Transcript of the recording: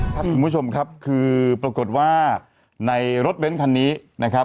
ครับคุณผู้ชมครับคือปรากฏว่าในรถเบ้นคันนี้นะครับ